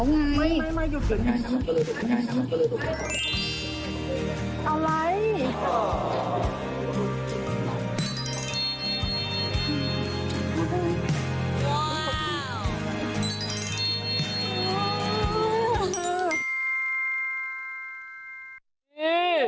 วิทยาลัยศาสตร์อัศวิทยาลัยศาสตร์